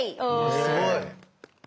すごい！